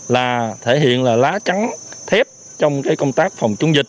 là thể hiện là lá trắng thép trong công tác phòng chống dịch